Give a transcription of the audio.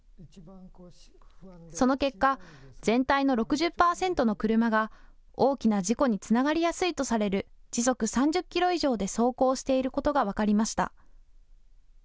その結果、全体の６０％の車が大きな事故につながりやすいとされる時速３０キロ以上で走行していることが分かりました。